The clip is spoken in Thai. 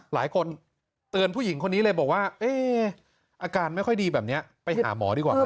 หลายคนเตือนผู้หญิงคนนี้เลยบอกว่าอาการไม่ค่อยดีแบบนี้ไปหาหมอดีกว่า